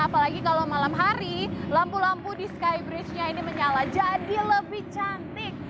apalagi kalau malam hari lampu lampu di skybridge nya ini menyala jadi lebih cantik